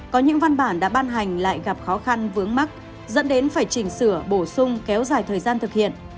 có những văn bản đã ban hành lại gặp khó khăn vướng mắt dẫn đến phải chỉnh sửa bổ sung kéo dài thời gian thực hiện